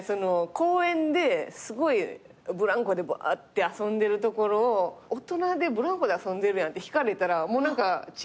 公園ですごいブランコでぶわーって遊んでるところを「大人でブランコで遊んでるやん」って引かれたら何か違うなって。